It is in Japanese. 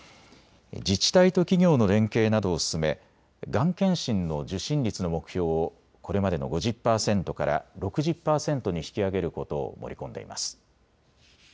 自治体と企業の連携などを進めがん検診の受診率の目標をこれまでの５０％から６０％に引き上げることを盛り込んでいます。